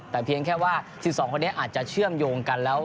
แต่เพียงแค่ว่า๑๒คนนี้อาจจะเชื่อมโยงกันแล้ว